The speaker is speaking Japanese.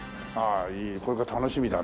これから楽しみだね。